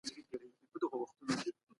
موږ بايد د سياست پوهني نوي اړخونه وڅېړو.